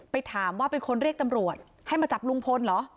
ไปถามว่าเป็นคนเรียกตำรวจให้มาจับลุงพลเหรอ